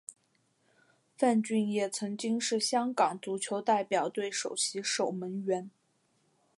范俊业曾经是香港足球代表队首席守门员。